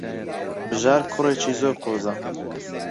بژار کوڕێکی زۆر قۆزە.